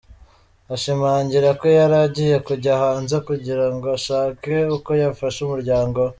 Ashimangira ko yari agiye kujya hanze kugirango ashake uko yafasha umuryango we.